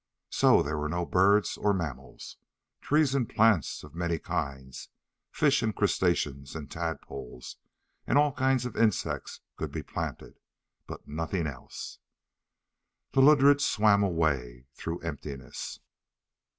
So there were no birds or mammals. Trees and plants of many kinds, fish and crustaceans and tadpoles, and all kinds of insects could be planted. But nothing else. The Ludred swam away through emptiness.